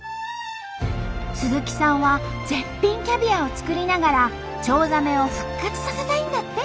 鈴木さんは絶品キャビアを作りながらチョウザメを復活させたいんだって。